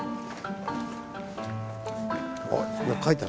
あっ何か書いてある。